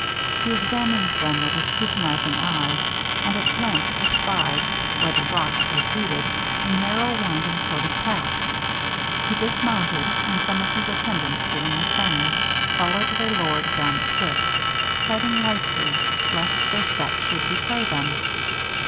He examined them with a scrutinizing eye, and at length espied, where the rock receded, a narrow winding sort of path. He dismounted, and some of his attendants doing the same, followed their lord down the cliffs, treading lightly, lest their steps should betray them.